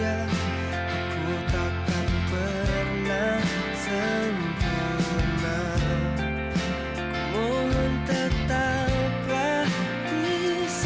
aku hanya ingin jadi yang terbaik